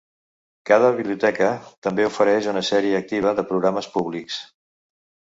Cada biblioteca també ofereix una sèrie activa de programes públics.